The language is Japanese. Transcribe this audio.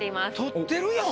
獲ってるやん。